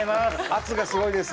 圧がすごいです。